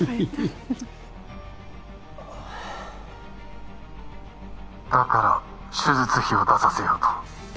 ああだから手術費を出させようと？